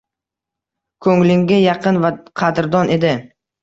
Ko’nglingga yaqin va qadrdon edi.